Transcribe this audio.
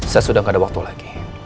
saya sudah tidak ada waktu lagi